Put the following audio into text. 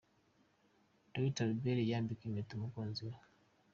Dr Albert yambika impeta umukunzi we.